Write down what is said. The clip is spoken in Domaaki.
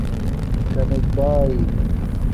کمک باݵ